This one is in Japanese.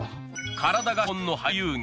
体が資本の俳優業。